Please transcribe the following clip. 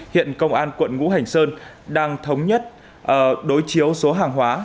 hiện công an quận ngũ hành sơn đang thống nhất đối chiếu số hàng hóa